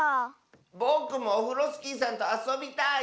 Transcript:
ぼくもオフロスキーさんとあそびたい！